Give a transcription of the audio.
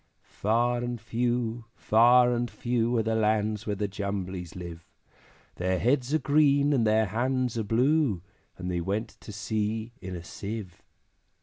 Far and few, far and few, Are the lands where the Jumblies live; Their heads are green, and their hands are blue, And they went to sea in a Sieve.